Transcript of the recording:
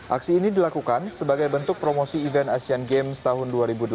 aksi ini dilakukan sebagai bentuk promosi event asian games tahun dua ribu delapan belas